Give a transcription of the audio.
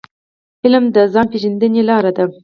علم د ځان پېژندني لار ده.